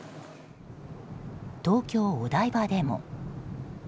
東京・お台場でも。